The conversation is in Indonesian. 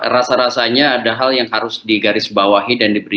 rasa rasanya ada hal yang harus digarisbawahi dan diberikan